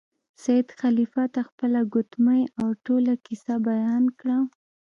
سید خلیفه ته خپله ګوتمۍ او ټوله کیسه بیان کړه.